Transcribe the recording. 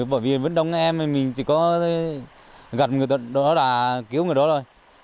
bởi vì vẫn đông em thì mình chỉ có gặp một người tận đó là cứu ngựa đó rồi